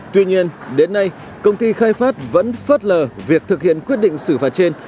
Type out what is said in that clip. tuy nhiên đến nay công ty khai phát vẫn phớt lờ việc thực hiện quyết định xử phạt trên